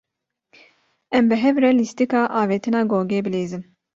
Em bi hev re lîstika avêtina gogê bilîzin.